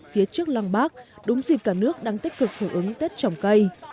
phía trước lăng bác đúng dịp cả nước đang tích cực hưởng ứng tết trồng cây